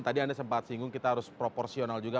tadi anda sempat singgung kita harus proporsional juga